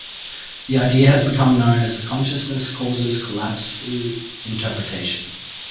The idea has become known as the consciousness causes collapse interpretation.